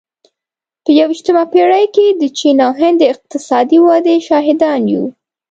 په یوویشتمه پېړۍ کې د چین او هند د اقتصادي ودې شاهدان یو.